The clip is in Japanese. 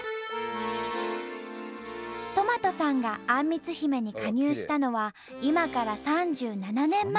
とまとさんがあんみつ姫に加入したのは今から３７年前。